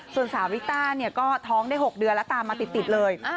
ส่วนสาวริต้าเนี่ยก็ท้องได้๖เดือนแล้วตามมาติดเลย